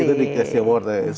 itu di case award ya